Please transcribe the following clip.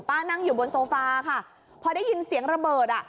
นั่งอยู่บนโซฟาค่ะพอได้ยินเสียงระเบิดอ่ะ